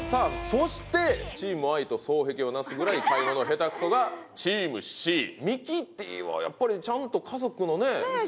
Ｉと双璧をなすぐらい買い物ヘタくそがチームＣミキティはやっぱりちゃんと家族のね